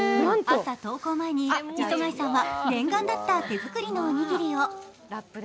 朝、登校前に磯貝さんは念願だった手作りのおにぎりを。